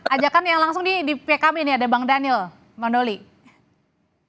ajakan yang langsung di pkm ini ada bang daniel mandoli